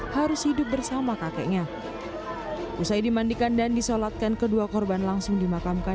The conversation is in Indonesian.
harus hidup bersama kakeknya usai dimandikan dan disolatkan kedua korban langsung dimakamkan